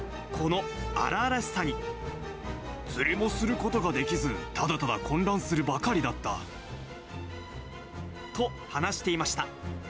釣りもすることができず、と、話していました。